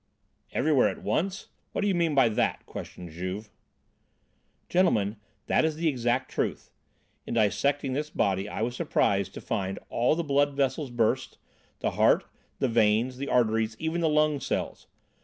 "Everywhere at once? What do you mean by that?" questioned Juve. "Gentlemen, that is the exact truth. In dissecting this body I was surprised to find all the blood vessels burst, the heart, the veins, the arteries, even the lung cells.